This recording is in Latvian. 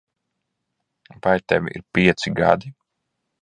Vai tev ir pieci gadi?